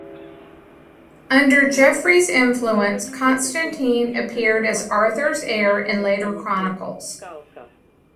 Under Geoffrey's influence, Constantine appeared as Arthur's heir in later chronicles.